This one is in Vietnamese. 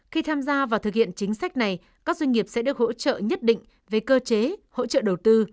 khi tham gia vào thực hiện chính sách này các doanh nghiệp sẽ được hỗ trợ nhất định về cơ chế hỗ trợ đầu tư